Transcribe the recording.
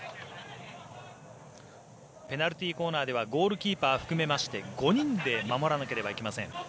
ペナルティーコーナーではゴールキーパー含めまして５人で守らなければいけません。